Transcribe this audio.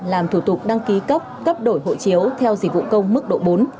làm thủ tục đăng ký cấp cấp đổi hộ chiếu theo dịch vụ công mức độ bốn